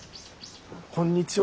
こんにちは。